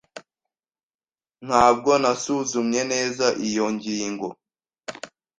Ntabwo nasuzumye neza iyo ngingo.